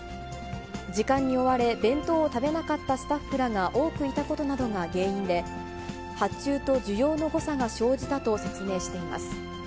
時間に追われ、弁当を食べなかったスタッフらが多くいたことなどが原因で、発注と需要の誤差が生じたと説明しています。